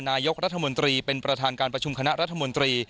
นายกรัฐมนตรีเป็นประธานการประชุมคณะรัฐมนตรี